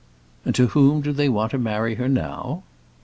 "And to whom do they want to marry her now?"